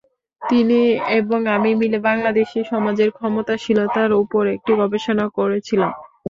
তিনি এবং আমি মিলে বাংলাদেশি সমাজের ক্ষমাশীলতার ওপর একটি গবেষণা করেছিলাম।